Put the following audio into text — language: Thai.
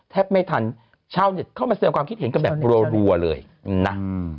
แทบไม่ทันชาวเน็ตเข้ามาแสดงความคิดเห็นกันแบบรัวเลยนะ